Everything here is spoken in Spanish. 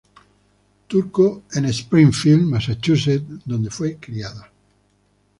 Turco en Springfield, Massachusetts, donde fue criada.